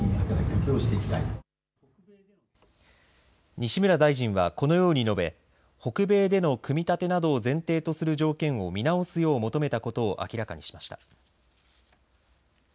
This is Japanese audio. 西村大臣は、このように述べ北米での組み立てなどを前提とする条件を見直すよう求めたことを明らかにしました。